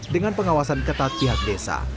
dengan pengawasan ketat pihak desa